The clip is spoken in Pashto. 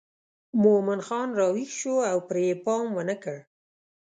مومن خان راویښ شو او پرې یې پام ونه کړ.